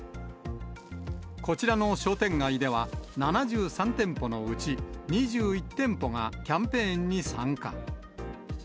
こちらの商店街では７３店舗のうち、２１店舗がキャンペーンに参加。